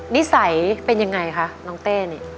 นิสัยเป็นยังไงคะน้องเต้นี่